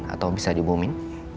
atau bisa di bumiin